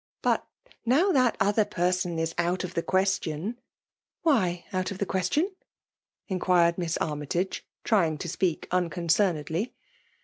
But now that other person is out of the question — r *''* Why out of the question T* inquired Miss Armytage, trying to speak unconcern* edly.